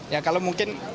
ya kalau mungkin